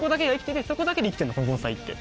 そこだけで生きてるのこの盆栽って。